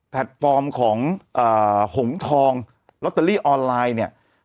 ฟอร์มของหงทองลอตเตอรี่ออนไลน์เนี่ย